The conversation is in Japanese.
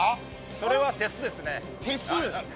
それはテスですね。